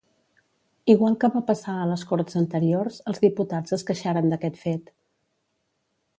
Igual que va passar a les corts anteriors, els diputats es queixaren d'aquest fet.